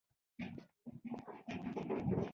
له افغانانو سره یې یو ځای ژوند کړی.